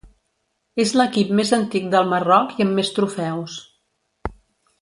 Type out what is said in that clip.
És l'equip més antic del Marroc i amb més trofeus.